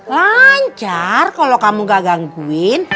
lancar kalau kamu gak gangguin